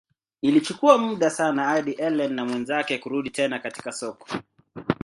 Ilichukua muda sana hadi Ellen na mwenzake kurudi tena katika soko.